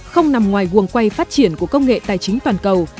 không nằm ngoài quần quay phát triển của công nghệ tài chính toàn cầu